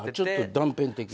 断片的に。